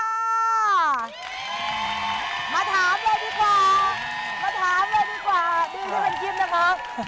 มาถามเลยดีกว่าดูที่เป็นกิ๊บนะคะ